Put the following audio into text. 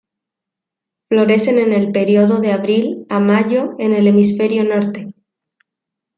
Florecen en el período de abril a mayo en el hemisferio norte.